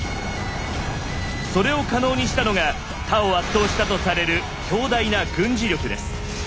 それを可能にしたのが他を圧倒したとされる強大な「軍事力」です。